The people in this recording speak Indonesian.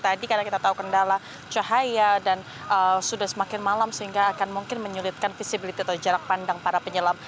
tadi karena kita tahu kendala cahaya dan sudah semakin malam sehingga akan mungkin menyulitkan visibility atau jarak pandang para penyelam